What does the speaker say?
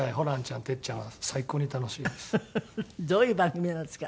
どういう番組なんですか？